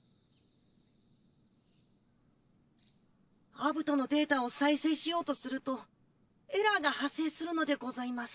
アブトのデータを再生しようとするとエラーが発生するのでございます。